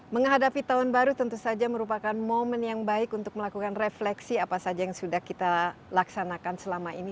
menghadapi tahun baru tentu saja merupakan momen yang baik untuk melakukan refleksi apa saja yang sudah kita laksanakan selama ini